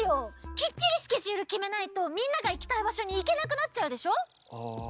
きっちりスケジュールきめないとみんながいきたいばしょにいけなくなっちゃうでしょ！